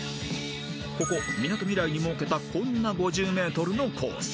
［ここみなとみらいに設けたこんな５０ｍのコース］